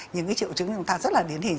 nhưng cái triệu chứng chúng ta rất là điển hình